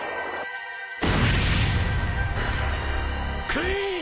クイーン！